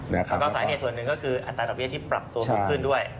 แล้วก็สาเหตุส่วนหนึ่งก็คืออัตราดอกเบี้ยที่ปรับตัวสูงขึ้นด้วย